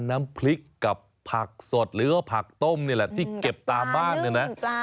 ถ้าน้ำพริกกับผักสดหรือผักต้มนี่แหละที่เก็บตามบ้าน